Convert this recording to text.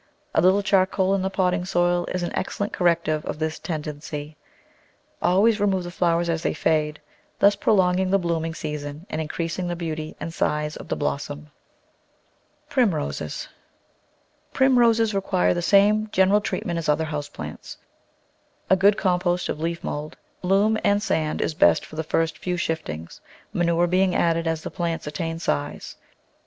A little charcoal in the potting soil is an excellent corrective of this tendency. Al ways remove the flowers as they fade, thus prolong ing the blooming season and increasing the beauty and size of the blossom. Digitized by Google 86 The Flower Garden [Chapter Primroses REQUIRE the same general treatment as other house plants. A good compost of leaf mould, loam, and sand is best for the first few s hi f tings, manure being added as the plants attain size.